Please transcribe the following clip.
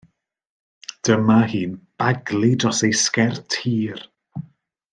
Dyma hi'n baglu dros ei sgert hir.